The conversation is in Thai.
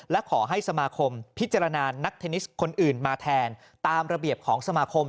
และขอให้สมาคมพิจารณานักเทนนิสคนอื่นมาแทนตามระเบียบของสมาคม